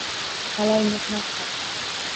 Halol mehnat qil.